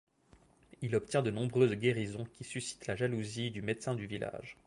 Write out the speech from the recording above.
Il obtient de nombreuses guérisons qui suscitent la jalousie du médecin du village.